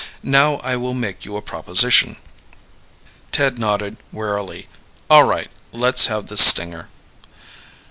Now I will make you a proposition." Ted nodded warily. "All right, let's have the stinger."